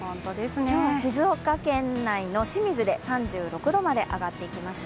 今日は静岡県内の清水で３６度まで上がってきました。